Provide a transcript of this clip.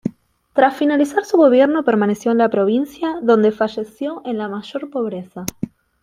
Tras finalizar su gobierno permaneció en la provincia, donde falleció en la mayor pobreza.